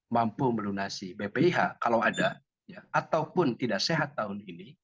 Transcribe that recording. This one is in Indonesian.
mampu melunasi bpih kalau ada ataupun tidak sehat tahun ini